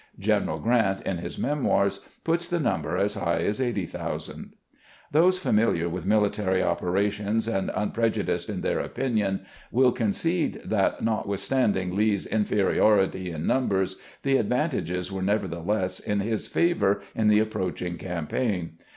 General Grant, in his " Memoirs," puts the number as high as 80,000. Those familiar with military operations, and unpre judiced in their opinion, will concede that, notwithstand ing Lee's inferiority in numbers, the advantages were, nevertheless, in his favor in the approaching campaign.